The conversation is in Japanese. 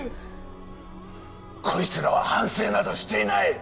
こいつらは反省などしていない！